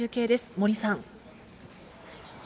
森さん。